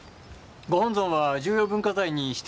ご本尊は重要文化財に指定され。